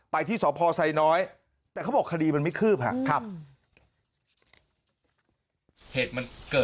ที่สพไซน้อยแต่เขาบอกคดีมันไม่คืบครับ